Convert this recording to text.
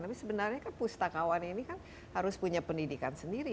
tapi sebenarnya kan pustakawan ini kan harus punya pendidikan sendiri